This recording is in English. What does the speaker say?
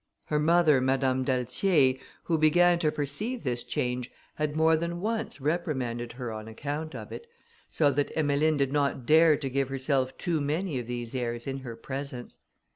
Her mother, Madame d'Altier, who began to perceive this change, had more than once reprimanded her on account of it, so that Emmeline did not dare to give herself too many of these airs in her presence.